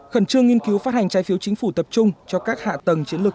khẩn trương nghiên cứu phát hành trái phiếu chính phủ tập trung cho các hạ tầng chiến lược